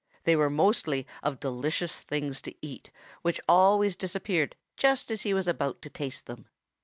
They were mostly of delicious things to eat which always disappeared just as he was about to taste them.